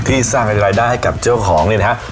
ที่สร้างรายได้ให้กับเจ้าของเนี่ยนะครับ